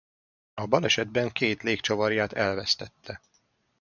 A balesetben két légcsavarját elvesztette.